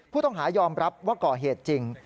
ผู้ต้องหายอมรับว่าก่อเหตุจริง